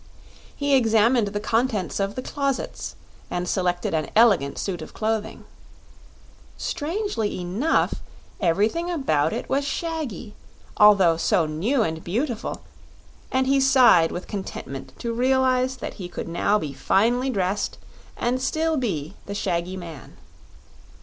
He examined the contents of the closets and selected an elegant suit of clothing. Strangely enough, everything about it was shaggy, although so new and beautiful, and he sighed with contentment to realize that he could now be finely dressed and still be the shaggy man.